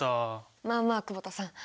まあまあ久保田さん。